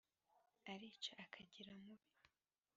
arica akagira mubi